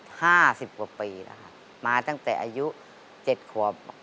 ๕๐กว่าปีแล้วครับมาตั้งแต่อายุ๗ขวบ